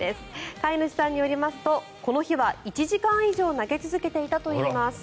飼い主さんによりますとこの日は１時間以上投げ続けていたといいます。